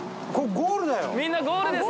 ゴールだ！